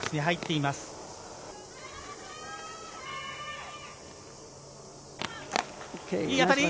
いい当たり！